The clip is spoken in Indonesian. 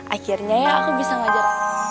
akhirnya ya aku bisa ngajar